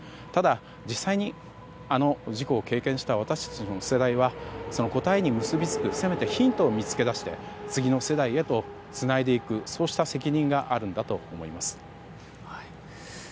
ただ、実際に、あの事故を経験した私たちの世代はその答えに結び付くせめてヒントを導き出して次の世代へつないでいく責任があるんだと思います。